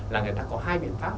là người ta có hai biện pháp